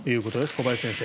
小林先生